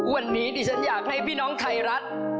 วันนี้ดิฉันอยากให้พี่น้องไทยรัฐ